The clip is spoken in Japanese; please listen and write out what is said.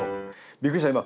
びっくりした今。